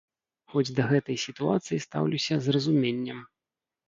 Хоць да гэтай сітуацыі стаўлюся з разуменнем.